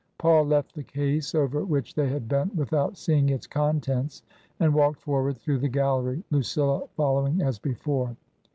Paul left the case over which they had bent without seeing its contents and walked forward through the gallery, Lucilla following as before.